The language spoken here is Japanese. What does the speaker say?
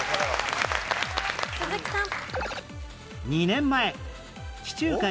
鈴木さん。